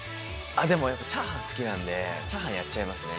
あ、でも、やっぱりチャーハン好きなんで、チャーハンやっちゃいますね。